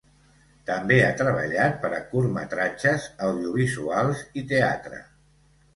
També ha treballat per a curtmetratges, audiovisuals i teatre.